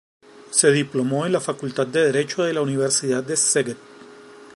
Se diplomó en la facultad de Derecho de la Universidad de Szeged.